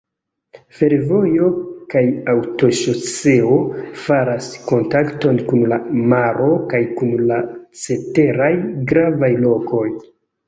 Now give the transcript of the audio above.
Fervojo kaj aŭtoŝoseo faras kontakton kun la maro kaj kun la ceteraj gravaj lokoj.